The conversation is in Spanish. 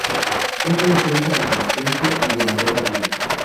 Es una planta resistente y de madera dura.